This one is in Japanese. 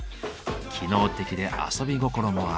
機能的で遊び心もある。